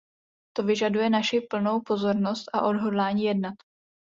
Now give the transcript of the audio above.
To vyžaduje naši plnou pozornost a odhodlání jednat.